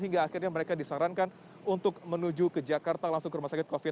hingga akhirnya mereka disarankan untuk menuju ke jakarta langsung ke rumah sakit covid sembilan belas